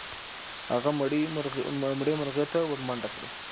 هغه مړې مرغۍ ته ورمنډه کړه.